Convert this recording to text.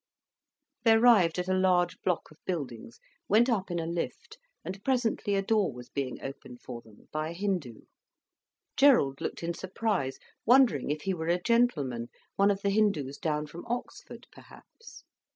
They arrived at a large block of buildings, went up in a lift, and presently a door was being opened for them by a Hindu. Gerald looked in surprise, wondering if he were a gentleman, one of the Hindus down from Oxford, perhaps.